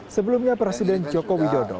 sebelumnya presiden joko widodo